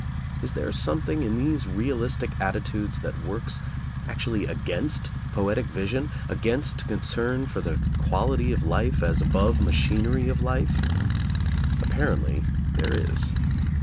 Is there something in these realistic attitudes that works actually against poetic vision, against concern for the quality of life as above machinery of life*? Apparently there is.